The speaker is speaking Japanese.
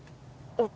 えっ！？